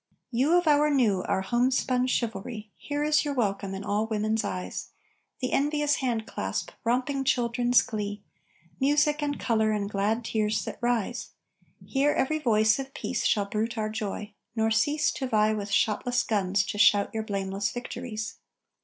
You of our new, our homespun chivalry, Here is your welcome in all women's eyes, The envious handclasp, romping children's glee, Music, and color, and glad tears that rise. Here every voice of Peace Shall bruit our joy, nor cease To vie with shotless guns to shout your blameless victories.